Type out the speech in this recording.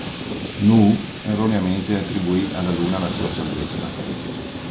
Nu'u erroneamente attribuì alla Luna la sua salvezza.